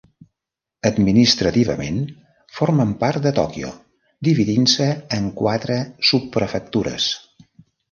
Administrativament, formen part de Tòquio, dividint-se en quatre subprefectures.